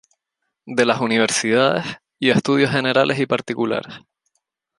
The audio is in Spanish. De las Universidades, y Estudios generales y particulares.